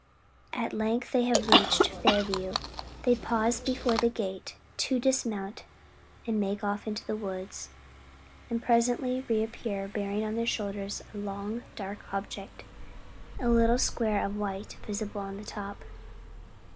At length they have reached Fairview; they pause before the gate, two dismount, make off into the woods, and presently reappear bearing on their shoulders a long dark object; a little square of white visible on the top.